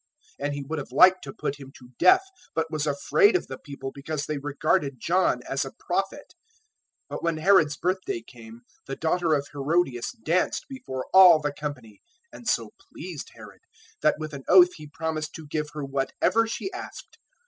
014:005 And he would have liked to put him to death, but was afraid of the people, because they regarded John as a Prophet. 014:006 But when Herod's birthday came, the daughter of Herodias danced before all the company, and so pleased Herod 014:007 that with an oath he promised to give her whatever she asked.